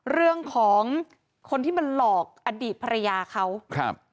เรื่องของคนที่มันหลอกอดีตภรรยาเขาครับ